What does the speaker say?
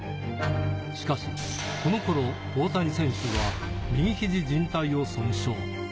しかしこの頃、大谷選手は右ひじ靭帯を損傷。